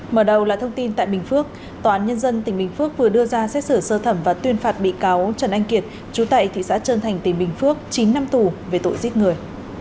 mở đầu là thông tin tại bình phước tòa án nhân dân tỉnh bình phước vừa đưa ra xét xử sơ thẩm và tuyên phạt bị cáo trần anh kiệt chú tại thị xã trơn thành tỉnh bình phước chín năm tù về tội giết người